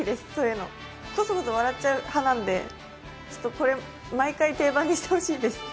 クスクス笑っちゃう派なのでこれ、毎回定番にしてほしいです。